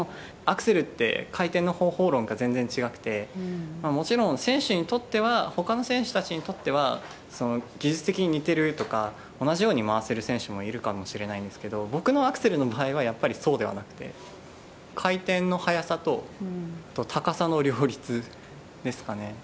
アクセルって、回転の方法論って全然違くて、もちろん、選手にとっては、ほかの選手たちにとっては、技術的に似てるとか、同じように回せる選手もいるかもしれないんですけれども、僕のアクセルの場合は、やっぱりそうではなくて、回転の速さと高さの両立ですかね。